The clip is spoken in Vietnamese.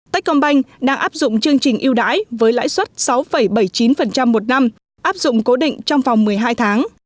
tech combine đang áp dụng chương trình yêu đái với lãi suất sáu bảy mươi chín một năm áp dụng cố định trong vòng một mươi hai tháng